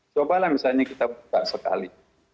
cobalah misalnya kita buka sekali